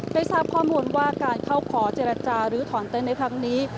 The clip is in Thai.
ได้ทราบข้อมูลว่าการเข้าขอเจรจาหรือถอนเต้นในครั้งนี้